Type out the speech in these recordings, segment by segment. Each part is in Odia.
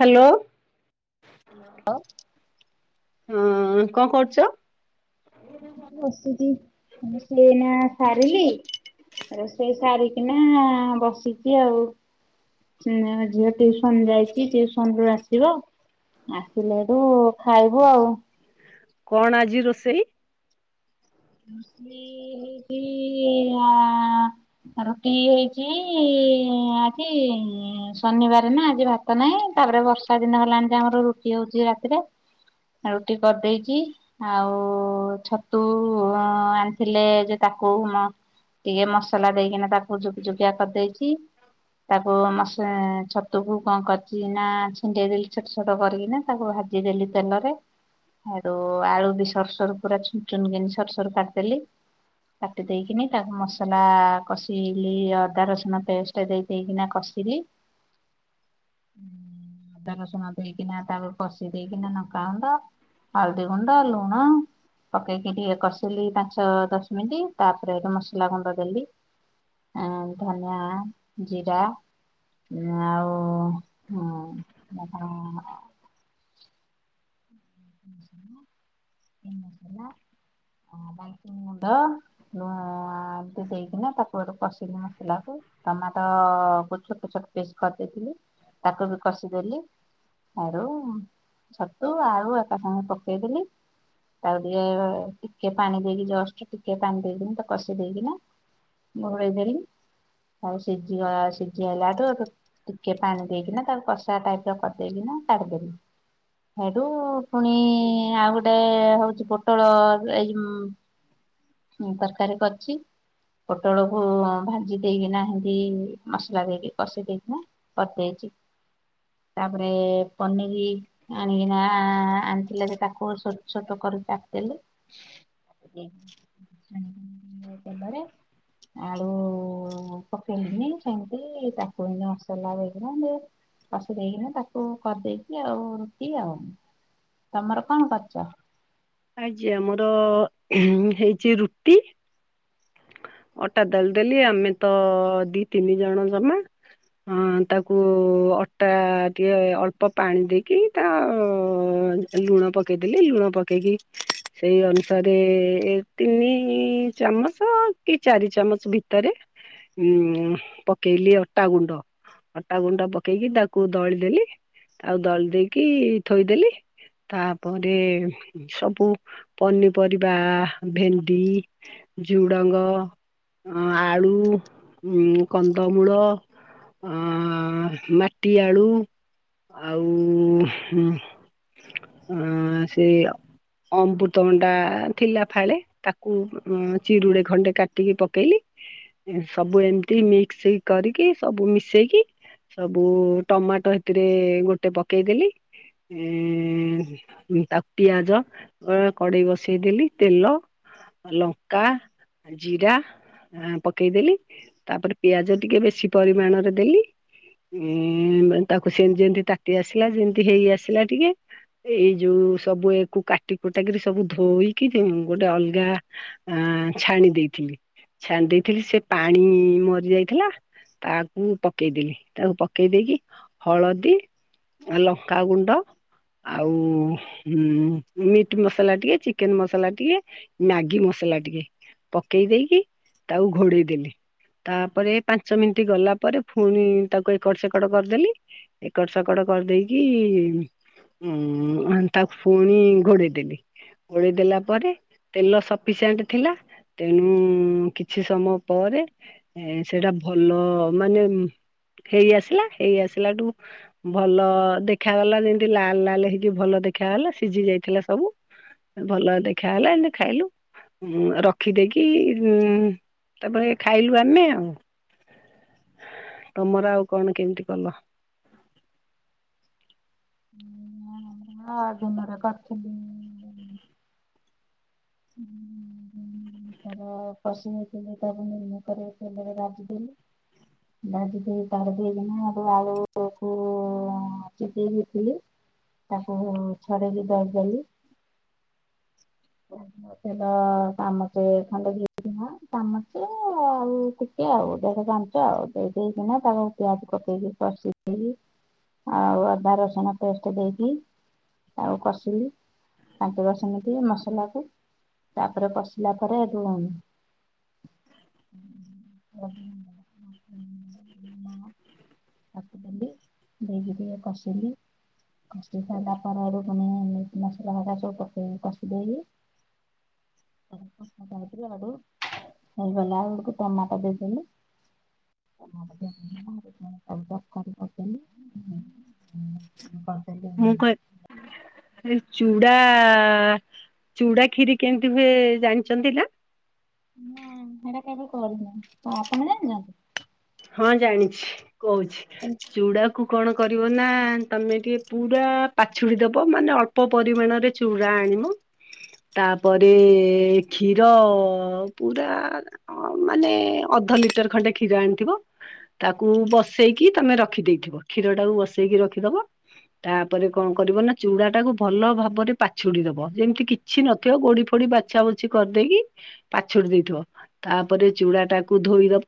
ହାଲୋ। ହଁ କଣ କରୁଚ? ବସୁଚି ମୁ ସିଏ ଏନା ସାରିଲି। ରୋଷେଇ ସାରିକିନା-ଆ ବସିଛି ଆଉ। ଚିଁ ଝିଅ ଟିଉସନ ଯାଇଛି। ଟିଉସନ ରୁ ଆସିବ! ଆସିଲେହେଠୁ ଖାଇବୁ ଆଉ। କଣ ଆଜି ରୋଷେଇ? ରୋଷେଇ-ଇ ହେଇଛି-ଆଁ ଆ ରୁଟି ହେଇଚି। ଇ-ଇଁ ଆଜିଁ ଶନିବାର ନା ଆଜି ଭାତ ନାହିଁ। ତାପରେ ବର୍ଷା ଦିନ ହେଲାଣି ଯେ ଆମର ରୁ ଟି ହଉଛି ରାତିରେ, ରୁଟି କରିଦେଇକି ଆଉ ଛତୁ କୁ-ଉ ଆଣିଥିଲେ ଯେ ତାକୁ ଉମ ଟିକେ ମସଲା ଦେଇକିନା ତାକୁ ଜୁକଜୁକିଆ କରିଦେଇଚି। ତାକୁ ମସଲାଁ ଛତୁକୁ କଣ କରିଛି ନା ଛିଣ୍ଡେଇଦେଲି ଛୋଟ ଛୋଟ କରିକି ନା। ତାକୁ ଭାଜିଦେଲି ତେଲରେ ସେଇଟୁ ଆଳୁ ବି ସରୁ ସରୁ ପୁରା ଚୂନ ଚୂନ କିନି ସରୁ ସରୁ କାଟିଦେଲି। କାଟି ଦେଇକିନି ତାକୁ ମସଲା କଷିଲି ଅଦା ରସୁଣ ପେଷ୍ଟ ଦେଇ ଦେଇକିନା କସି ସି ଲି। ଅଦା ରସୁଣ ଦେଇକିନା ତାପରେ କଶି ଦେଇକିନା ନଙ୍କା ଗୁଣ୍ଡ। ହଳଦୀ ଗୁଣ୍ଡ ଲୁଣ ପକେଇ କି ଟିକେ। କଷିଲି ପାଞ୍ଚ ଦଶ ମିନିଟ ତାପରେ ଏ ମସଲା ଗୁଣ୍ଡ ଦେଲି। ଆଁ ଧନିଆ ଜିରା। ଉଁ ଆଉ ହୁଁ ମୁ କଣ। କି ମସଲା। ହଁ ବଇଚୁର ଗୁଣ୍ଡ ଲୁ ଏମତି ଦେଇକିନା ତାକୁ କଶି ସି ଲି ମସଲା କୁ ଟମାଟୋ ପୋ ଛୋଟ ଛୋଟ। ପିସ୍ କରି ଦେଇଥିଲି ତାକୁ ବି କଷିଦେଲି। ଆରୁ ଛତୁ ଆଳୁ ଏକା ସାଙ୍ଗେ ପକେଇଦେଲି। ଆଉ ଟିକେ ଟିକେ ପାଣି ଦେଇକି ଜଷ୍ଟ ଟିକେ ପାଣି ଦେଇକିନା ତାକୁ କଷି ଦେଇକି ନା। ମୋଗୁଡେଇ ଦେଲି। ଆଉ ସିଝି ଗ ସିଝି ହେଲାଠୁ ଟିକେ ପାଣି ଦେଇକିନା ତାକୁ କଷା ଟାଇପ ର କରିଦେଇକିନା। କାଢି ଦେଲି ହେଇଟୁ। ପୁଣି ଆଉ ଗୋଟେ ହଉଛି ପୋଟଳ ଏଇ ମ ହଁ ତରକାରୀ କରଛି। ପୋଟଳକୁ ଭାଜି ଦେଇକିନା ସେମତି ମସଲା ଦେଇକି କଷି ଦେଇକିନା କରି ଦେଇଛି। ତାପରେ ପନିର ଆଣିକିନା ଆଣିଥିଲେ ଯେ ତାକୁ ଛୋଟ ଛୋଟ କ ରି କାଟି ଦେଲି। ହ [inaudible] [inaudible] ତେଲ ରେ ଆଳୁ। ପକେଇଲିନି ସେମିତି ତାକୁ ଏମତି ମସଲା ଗୋଳେଇକିନା। କଶି ଦେଇକିନା ତାକୁ କରିଦେଇକି ଆଉ ରୁଟି ଆଉ। ତମର କଣ କରିଚ। ଆଜି ଆମର ହେଇଛି ରୁଟି। ଅଟା ଦଳି ଦେଲି ଆମେ ତ ଦି ତିନି ଜଣ ଜମା। ଅ ତାକୁ ଅଟା ଟିକେ ଅଳ୍ପ ପାଣି ଦେଇକି ତା। ଲୁଣ ପକେଇଦେଲି ଲୁଣ ପକେଇକି ସେଇ ଅନୁସାରେ ତିନି। ଚାମଚ। ଚ କି ଚାରି ଚାମଚ ଭିତରେ ଉଁ ପକେଇଲି ଅଟା ଗୁଣ୍ଡ। ଅଟା ଗୁଣ୍ଡ ପକେଇକି ତାକୁ ଦଳିବଦେଲି ଆଉ ଦଳି ଦେଇକି ଥୋଇଦେଲି। ତାପରେ ସବୁ ପନିପରିବା ଭେଣ୍ଡି। ଝୁଡ଼ଙ୍ଗ ଆଳୁ କନ୍ଦମୂଳ। ଆ ମାଟି ଆଳୁ। ଆଉ ହୁଁ ଆଁ ସେ। ଅମୃତଭଣ୍ଡା ଥିଲା ଫାଳେ ତାକୁ ଉଁ ଚିରୁଡେ ଖଣ୍ଡେ କାଟିକି ପକେଇଲି ସବୁ ଏମିତି ମିକ୍ସ କରିକି ସବୁ ମିଶେଇ। ସବୁ ଟମାଟୋ ହେଥିରେ ଗୋଟେ ପକେଇ ଦେଲି। ଏଁ ତାକୁ ପିଆଜ ଅ କଡେଇ ବସେଇ ଦେଲି ତେଲ। ଲଙ୍କା ଜିରା। ଆଁ ପକେଇ ଦେଲି ତାପରେ ପିଆଜ ଟିକେ ବେଶୀ ପରିମାଣରେ ଦେଲି। ଉ ତାକୁ ସେମତି ଯେମତି ତାତି ଆସିଲା ଯେମତି ହେଇ ଆସିଲା ଟିକେ ଏଇ ଯୋଉ ସବୁ କୁ କାଟି କୁଟାକିରି ସବୁ ଧୋଇକି, ଗୋଟେ ଅଲଗା ଆ ଛାଣି ଦେଇଥିଲି, ଛାଣି ଦେଇଥିଲି, ସେ ପାଣି ମରି ଯାଇଥିଲା। ତାକୁ ପକେଇଦଲି, ତାକୁ ପକେଇ ଦେଇକି- ହଳଦୀ ଲଙ୍କାଗୁଣ୍ଡ ଆଉଁ ମିଟ୍ ମସଲା ଟିକେ, ଚିକେନ ମସଲା ଟିକେ, ମ୍ୟାଗି ମସଲା ମସଲା ଟିକେ, ପକେଇ ଦେଇକି ତାକୁ ଘୋଡେଇ ଦେଲି ତାପରେ ପାଞ୍ଚ ମିନିଟ ଗଲା ପରେ ପୁଣି ତାକୁ ଏକଡ ସେକଡ କରିଦେଲି, ଏକଡ ସେକଡ କରିଦେଇକି ଉଁ ତାକୁ ପୁଣି ଘୋଡେଇଦେଲି, ଘୋଡେଇ ଦେଲା ପରେ, ତେଲ ସ ପିସାଟ ଥିଲା। ତେଣୁ କିଛି ସମୟ ପରେ, ସେଇଟା ଭଲ ମାନେ ହେଇ ଆସିଲା, ହେଇ ଆସିଲାଠୁ ଭଲ ଦେଖାଗଲା, ଯେମତି -ଲାଲ ଲାଲ ହେଇକି ଭଲ ଦେଖା ହେଲା, ସିଝି ଯାଇଥିଲା ସବୁ, ଭଲ ଦେଖା ହେଲା, ଏମିତି ଖାଇଲୁ। ରଖିଦେଇକି, ଉ ତାପରେ ଖାଇଲୁ ଆମେ ଆଉ ତମର ଆଉ କଣ କେମିତି କଲ? ଆଜ ମ କଖ [unintelligible] ହୁଁ [inaudible] ତାର ପଶ ହେ ତାକୁ ନିର୍ଣରେ ସେବେଳେ ରାଜ ଦେଲ [unintelligible] ଦଜିିଦ ପା ଦେଇ ନା ଆ ଆଳୁକୁ [unintelligible] ଚିିକେଇକିଥିଲି ତାକୁ ଛଡେଇକି ଦେଇଦଲି [unintelligible] [inaudible] େର ଚାମଚେ ଖଣ୍ଡୋମଚେ ଆଉ କ [unintelligible] ଆଉ ଦେଖ ଜାଣିଛ ଆଉ ଦେଇଦେଇକିନା ତାକୁ ପିଆଜ କକେଇକି କଷି ଦେଇେଇକି [unintelligible] ଆଉ ଅଦା ରସୁଣ ପେଷ୍ଟ ଦେଇକି ଆଉ କସିଲି, ପାଞ୍ଚ ଦ ସେମିତି ମ ମସଲାକୁ, ତାପରେ କସିଲା ପରେ, ଏବେୁ [unintelligible] ଆଣ ହ [unintelligible] ପପ ବୋଲି ବଗିରି ଖସି [unintelligible] କଷ ସାରିଲା ପରେ ଆଡୁ ପୁଣିେସା ସୁ ପକେଇ କଷି ଦେଇକି [unintelligible] [inaudible] ି ଆଡୁ ହେ ବଲା ହୁଡକୁ ଟମାଟା ଦେଇସିଲ [unintelligible] ହ ବ ବ [unintelligible] [unintelligible] ମୁଁ କହି ଚୁଡ଼ା, ଚୁଡା କ୍ଷୀରି କେମିତି ହୁଏ ଜାଣିଛନ୍ତି ନା? ହୁଁ, ସେଇଟା କେବେ କରିନି ତ ଆପଣ ଜାଣିଛନ୍ତି? ହଁ ଜାଣିଛି, କହୁଛି ଚୁଡା ଚୁଡା କୁ କଣ କରିବ ନା, ତମେ ଟିକେ ପୁରା ପାଛୁଡି ଦବ, ମାନେ ଅଳ୍ପ ପରିମାଣରେ ଚୁଡା ଆଣିବ। ତାପରେ -କ୍ଷୀର ପୁରା ମାନେ ଅଧ ଲିଟର ଖଣ୍ଡେ କ୍ଷୀର ଆଣିଥିବ। ତାକୁ ବସେଇକି ତମେ ରଖିଦେଇଥିବ, କ୍ଷୀର ଟାକୁ ବସେଇକି ରଖିଦବ। ତାପରେ କଣ କରିବ ନା, ଚୁଡା ଟା କକୁ ଭଲ ଭାବରେ ପାଛୁଡି ଦବ, ଯେମିତି କିଛି ନଥିବ ଗୋଡି ଫୋଡି ପ ବାଛା ବଛି କରିଦେଇକି ପାଛୋଡି ଦେଇଥିବ, ତାପରେ ଚୁଡ଼ା ଟାକୁ ଧୋଇଦବ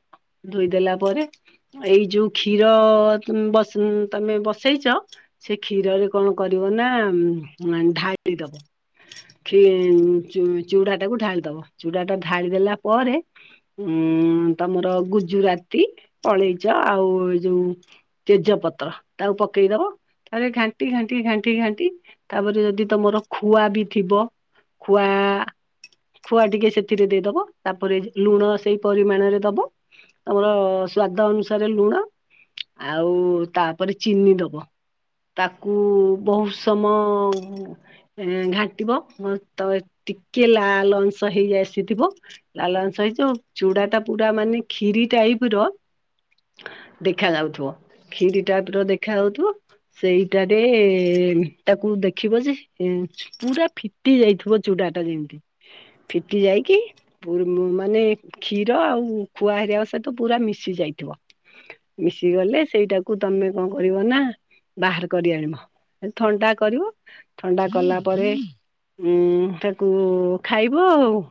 ଧୋଇଦେଲା ଏଇ ଯୋଉ କ୍ଷୀର ତମେ ବସେଇଛ, ସେ କ୍ଷୀର କଣ କରିବ ନା ଢାଳି ଦବ। ଚୁଡା ଟାକୁ ଢାଳିଦବ, ଚୁଡା ଟା ଢାଳିଦଲା ପରେ ଉଁ, ତମର ଗୁଜୁରାତି କଳେଇଚ ଆଉ ଏ ଯୋଉ ତେଜ ପତ୍ର ତାକୁ ପକେଇଦବ। ତାପରେ ଘାଣ୍ଟି ଘାଣ୍ଟି ଘାଣ୍ଟି ଘାଣ୍ଟି ତାପରେ ଯଦି ତମର ଖୁଆ ବି ଥିବ। ଖୁଆ। ଖୁଆ ଟିକେ ସେଥିରେ ଦେଇଦବା ତାପରେ ଲୁଣ ସେଇ ପରିମାଣରେ ଦବ। ତମର ସ୍ଵାଦ ଅନୁସାରେ ଲୁଣ ଆଉ ତାପରେ ଚିନି ଦବ। ତାକୁ ବହୁତ ସମୟ ଘାଣ୍ଟିବ ତ ଟିକେ ଲାଲ ଅଂଶ ହେଇ ଆସିଥିବ ଲାଲ ଅଂଶ ହେଇଯିବ ଚୁଡା ଟା ପୁରା ମାନେ ଖଷିରି ଟାଇପ ର ଦେଖ ଯାଉଥିବ ଖ୍ଷିରି ଟାଇପ ର ଦେଖା ଯାଉଥିବ। ସେଇଟାରେ ତାକୁ ଦେଖିବ ଯେ ପୁରା ଫିଟି ଯାଇଥିବ ଚୁଡ଼ା ମ ଫିଟି ଯାଇକି ମାନେ କ୍ଷୀର ଆଉ ଖୁଆ ହେ ତ ପୁରା ମିଶି ଯାଇଥିବ ମିଶିଗଲେ ସେଇଟାକୁ ତମେ କଣ କରିବ ନା। ବାହାର କରି ଆଣିବ ଥଣ୍ଡା କରିବ ଥଣ୍ଡା କଲା ପରେ। ହଁ ତାକୁ ଖାଇବ ଆଉ।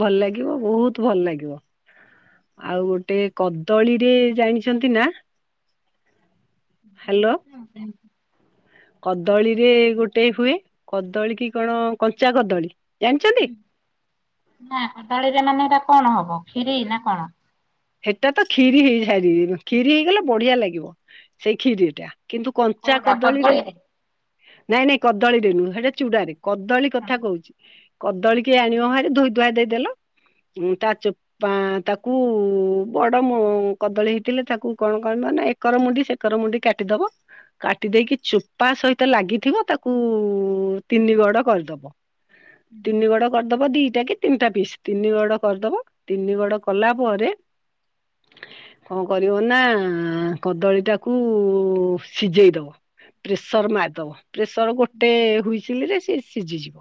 ଭଲ ଲାଗିବ ବହୁତ ଭଲ ଲାଗିବ ଆଉ ଗୋଟେ ଗୋଟେ କଦଳୀରେ ଜାଣିଛନ୍ତି ନା? ହ୍ୟାଲୋ କଦଳୀରେ ଗୋଟେ ହୁଏ କଦଳୀ କି କଣ କଞ୍ଚା କଦଳୀ। ଜାଣିଛନ୍ତି ନା କଦଳୀରେ ମାନେ ଏଟା କଣ ହବ ଖ୍ଷିରରି ନା କଣ? ସେଟା ତ କ ଖ୍ଷୀରି ହେଇଯାଇ କ ଖ୍ଷୀରି ହେଇଗଲେ ବଢିଆ ଲାଗିବ ସେଇ ଖ୍ଷୀରିଟା। କିନ୍ତୁ କଞ୍ଚା କଦଳୀରେ ନାଇଁ ନାଇଁ କଦଳୀରେ ନୁହଁ ସେଇଟା ଚୂଡାରେ। କଦଳୀ କଥା କହୁଛି କଦଳୀ କି ଆଣିବ ଭାରି ଧୋଇ। ଧୁଆଇ ଦେଇଦେଲ ତା ଚୋ ତାକୁ ବଡ କଦଳୀ ହେଇଥିଲେ ତାକୁ କଣ କ ମାନ ଏକର ମୁଣ୍ଡି ସେକର ମୁଣ୍ଡି କାଟିଦବ। କାଟି ଦେଇେଇକି ଚୋପା ସହିତ ଲାଗିଥିବ ତାକୁ ତିନି ଗଡ କରିଦବ। ତିନି ଗଡ କରିଦବ ଦିଟା କି ତିନିଟା ପିସ୍ ତିନି ଗଡ କରିଦବ ତିନି ଗଡ କଲା ପରେ କଣ କରିବ ନା କଦଳୀ ଟାକୁ ସିଝେଇ ଦବ। ପ୍ରେସର ମାରିଦବ ପ୍ରେସର ଗୋଟେ ହସିରେ ସେ ସିଝିଯିବ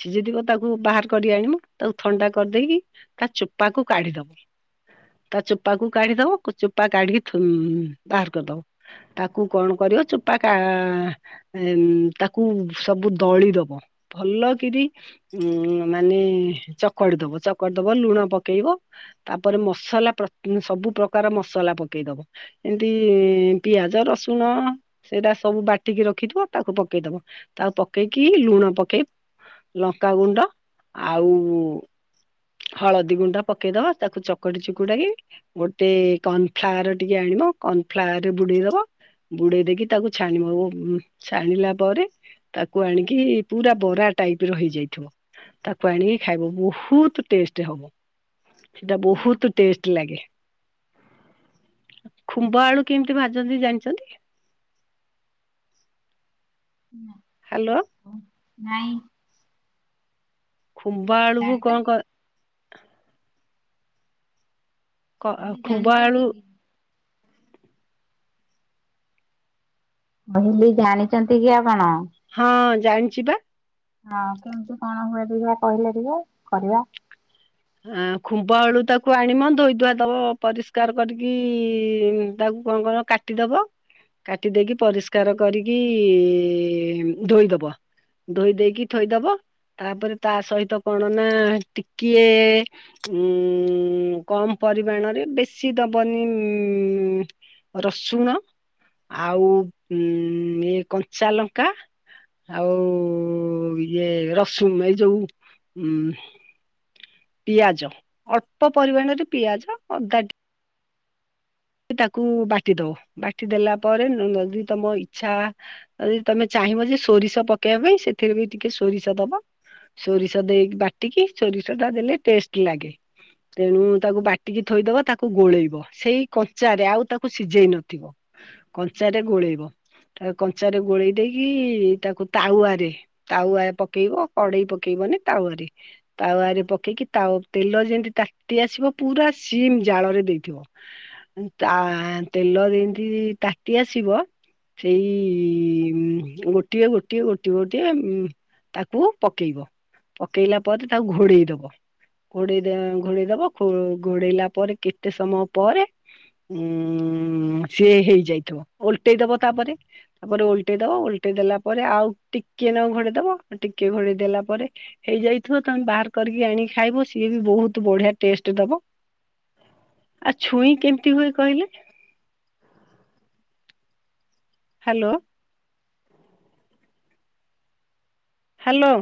ସିଝି ଦିବ ତାକୁ ବାହାର କରି ଆଣିବୁ ତାକୁ ଥଣ୍ଡା କରିଦେଇକି ତା ଚୋପା କୁ କାଢିଦବ। ତା ଚୋପା କ କାଢିଦବ ଚୋପା କାଢିକି ବାହାର କରିଦବ ତାକୁ କଣ କ କରିବ ଚୋପା ତାକୁ ସବୁ ଦଳି ଦବ ଭଲ କି ଉଁ ମାନେ ଚକଡି ଦବ ଚକଡି ଦବ ଲୁଣ ପକେଇବ ତାପ ତାରେ ମସଲା ସବୁ ପ୍ରକାର ମସଲା ପକେଇଦବ ଏମତି ପିଆଜ ରସୁଣ। ହଁ ସେଇଟା ସବୁ ବାଟିକି ରଖିଥିବ ତାକୁ ପକେଇଦବ ତାକୁ ପକେଇକି ଲୁଣ ପକେଇ। ଲଙ୍କାାଗୁଣ୍ଡ ଆଉ ହଳଦୀ ଗୁଣ୍ଡ ପକେଇଦବା ତାକୁ। ଚୁକୁଡାକ ଗୋଟେ କର୍ଣଫ୍ଲାାର ଟିକେ ଆଣିବ କର୍ଣ ଫ୍ାର ରେ ବୁଡେଇ ଦବ। ଗୁଡେଇ ଦେଇକି ତାକୁ ଛାଣିବ ଛାଣିଲା ପରେ- ତାକୁ ଆଣିକି ପୁରା ବରା ଟାଇପ ର ହେଇଯାଇଥିବ। ତାକୁ ଆଣିକି ଖାଇବ ବହୁତ ଟେଷ୍ଟ ହବ ସେଟା ବହୁତ ଭଲ ଲାଗେ। ଖୁମ୍ବ ଆଳୁ କେମିତି ଭାଜନ୍ତି ଜାଣିଛନ୍ତି? [inaudible] ହ୍ୟାଲୋ ନାଇଁ। ଖୁମ୍ବା ଆେଳକୁ କଣ ଜାଣିଛନ୍ତି କର କ କାଲି କୁମ୍ଭ ଜାଣିଛନ୍ତି ଆଳୁ। କି? କହିଲି ଜାଣିଛନ୍ତି କି ଆପଣ ହଁ ଜାଣିଛି ବା ହଁ କେମନ୍ତ କଣ ହୁଏ। ଯା କହିଲେ ଟିକେ କରିବା। ଆ ଖୁମ୍ବ ଆଳୁ ତାକୁ ଆଣିବ ଧୋଇ ଧୁଆ ଦବ ପରିଷ୍କାର କରିକି କଣ କଣ କାଟିଦବ। କାଟି ଦେଇେଇକି ପରିଷ୍କାର କରିକି ଧୋଇଦବ। ଧୋଇ ଦେଇକି ଥୋଇଦବ ତାପରେ ତା ସହିତ କଣ ନା ଟିକି ଟେ ଉ କମ ପରିମାଣରେ ବେଶି ଦବନି ଉ ରସୁଣ ଆଉ ଉଇ ଏ କଞ୍ଚାଲଙ୍କା ଆଉ ଇଏ ରସୁମ ଏଇ ଯୋଉ ଉଁ ପିଆଜ ଅଳ୍ପ ପରିମାଣରେ ପିଆଜ ଅଦା ଟି ତାକୁ ବାଟି ଦବ ବାଟି ଦେଲା ପରେ ଯଦି ତମ ଇଛା ଯଦି ତମେ ଚାହିଁ ଚାହିଁବ ଯେ ସୋରିଷ ପକେଇବା ପାଇଁ ସେଥିରେ ବି ଟିକେ ସୋରିଷ ଦବ ସୋରିଷ ଦେଇ ବାଟିକି ସୋରିଷଟା ଦେଲେ ଟେଷ୍ଟ ଲାଗେ। ତେଣୁ ତାକୁ ବାଟିକି ଥୋଇଦବା ତାକୁ ଗୋଳେଇବ ସେଇ କଞ୍ଚା ରେ ଆଉ ତାକୁ ସିଝେଇ ନଥିବ କଞ୍ଚାରେ ଗୋଳେଇବ। ତା କଞ୍ଚାରେ ଗୋଳେଇ ଦେଇକି ତାକୁ ତାୱରେ ତାୱା ପକେଇବ କଡେଇ ପକେଇବ ତାୱରେ ତାୱରେ ପକେଇକି ତା ତେଲ ଯେମତି ତାତି ଆସିବ ପୁରା ସିମ ଜାଳ ଜାଳ ରେ ଦେଇ ଥିବ ତା ତେଲ ଯେମିତି ତାତି ଆସିବ ସେଇ ଗୋଟିଏ ଗୋଟିଏ ଗୋଟିଏ ଗୋଟିଏ ଉ ତାକୁ ପକେଇବ ପକେଇଲା ପରେ ତାକୁ ଘୋଡେଇ ଦବ। ଘୋଡେଇ ଦେ ଘୋଡେଇ ଦବ ଘୋଡେଇଲା ପରେ କେତେ ସମୟ ପରେ ହୁଁ। ହଁ ସିଏ ହେଇଯାଇଥିବ ଓଲଟେଇଦବା ତାପରେ ତାପରେ ଓଲଟେଇଦବା ଓଲଟେଇ ଦେଲା ପରେ ଆଉ ଟିକେ ନ ଘୋଡେଇ ଦବ ଟିକେ ଘୋଡେଇ ଦେଲା ପରେ ହେଇଯାଇଥିବ ତମେ ବାହାର କରିକି ଆଣିକି ଖାଇବ ସିଏ ବହୁତ ବଢିଆ ଟେଷ୍ଟ ଦବ ଆ ଛୁଇ କେମିତି ହୁଏ କହିଲେ? ହ୍ୟାଲୋ। ହ୍ୟାଲୋ।